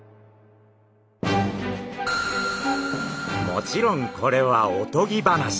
もちろんこれはおとぎ話。